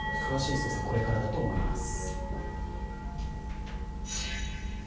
詳しい捜査これからだと思います。